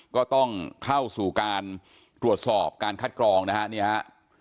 ก็ต้องเข้าสู่การตรวจสอบการคัดกรองนะครับ